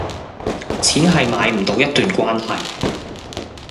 錢係買唔到一段關係